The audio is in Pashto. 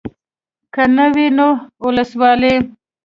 که نه وي نو اولسوالي.